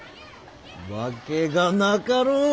わけがなかろう！